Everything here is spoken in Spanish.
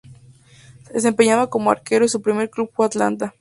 Se desempeñaba como arquero y su primer club fue Atlanta.